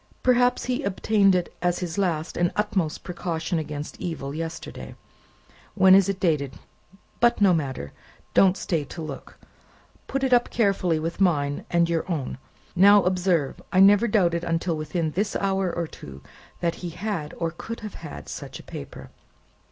"Perhaps he obtained it as his last and utmost precaution against evil, yesterday. When is it dated? But no matter; don't stay to look; put it up carefully with mine and your own. Now, observe! I never doubted until within this hour or two, that he had, or could have such a paper.